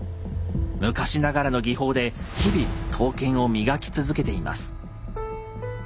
昔ながらの技法で日々刀剣を磨き続けています。